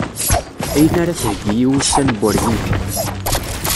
Ayen ara theggi i wussan n urgigi.